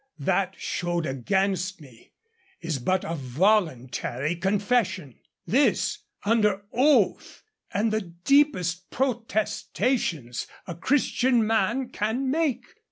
That showed against me is but a voluntary confession. This is under oath, and the deepest protestations a Christian man can make.